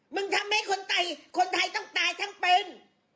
ทำให้คนตายคนไทยต้องตายทั้งเป็น